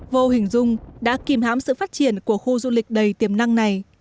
vô hình dung đã kìm hám sự phát triển của khu du lịch đầy tiềm năng này